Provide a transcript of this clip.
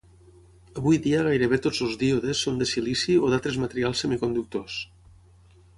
Avui dia gairebé tots els díodes són de silici o d'altres materials semiconductors.